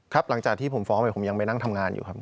หลังจากที่ผมฟ้องผมยังไปนั่งทำงานอยู่ครับ